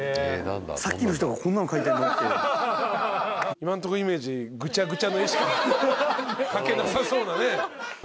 今んとこイメージぐちゃぐちゃの絵しか描けなさそうなね。